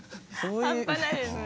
半端ないですね。